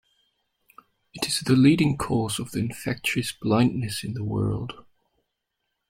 It is the leading cause of infectious blindness in the world.